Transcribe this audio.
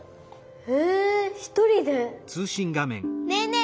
ねえねえ